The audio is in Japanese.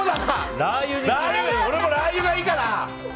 俺もラー油がいいかな。